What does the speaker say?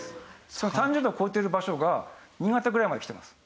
その３０度を超えてる場所が新潟ぐらいまで来てます。